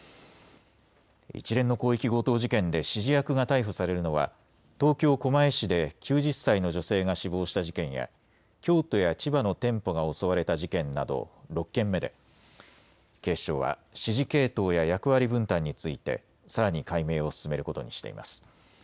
一連の広域強盗事件で指示役が逮捕されるのは東京狛江市で９０歳の女性が死亡した事件や京都や千葉の店舗が襲われた事件など６件目で警視庁は指示系統や役割分担についてさらに解明を進めることにしています。